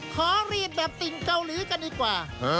ขอเรียนแบบติ่งเกาหลีกันดีกว่า